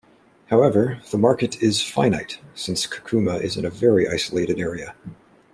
However, the market is finite, since Kakuma is in a very isolated area.